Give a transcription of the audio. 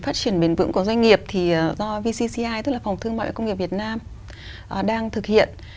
phát triển bền vững của doanh nghiệp thì do vcci tức là phòng thương mại công nghiệp việt nam đang thực hiện